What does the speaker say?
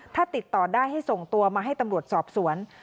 ถ้าติดต่อได้ให้ส่งตัวมาให้ตำรวจสอบสวน